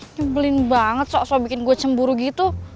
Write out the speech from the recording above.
nyebelin banget soal soal bikin gue cemburu gitu